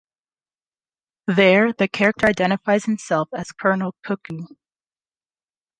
There, the character identifies himself as "Colonel Cuckoo".